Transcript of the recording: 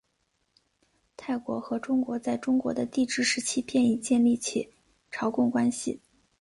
泰国和中国在中国的帝制时期便已经建立朝贡关系。